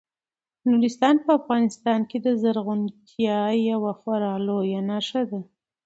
نورستان په افغانستان کې د زرغونتیا یوه خورا لویه نښه ده.